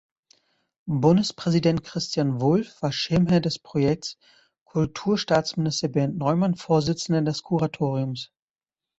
Bundespräsident Christian Wulff war Schirmherr des Projekts, Kulturstaatsminister Bernd Neumann Vorsitzender des Kuratoriums.